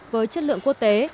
với chất lượng quốc tế